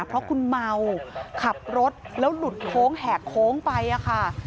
เพราะคุณเมาขับรถแล้วหลุดโค้งแหกโค้งไปค่ะ